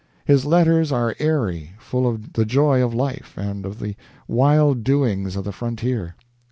His letters are airy, full of the joy of life and of the wild doings of the frontier.